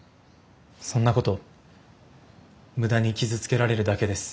そんなこと無駄に傷つけられるだけです。